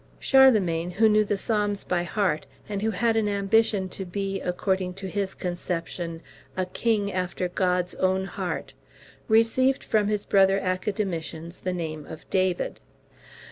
Charlemagne, who knew the Psalms by heart, and who had an ambition to be, according to his conception, A KING AFTER GOD'S OWN HEART, received from his brother academicians the name of David.